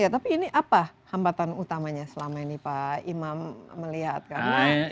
tapi ini apa hambatan utamanya selama ini pak imam melihat kan